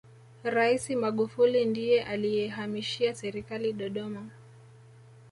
raisi magufuli ndiye aliyehamishia serikali dodoma